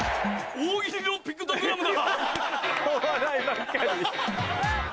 大喜利のピクトグラムだ。